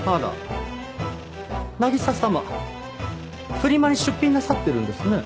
フリマに出品なさってるんですね。